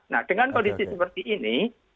nah dengan kondisi seperti ini